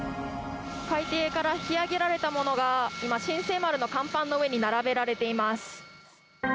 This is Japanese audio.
海底から引き揚げられたものが今、「新世丸」の甲板の上に並べられています。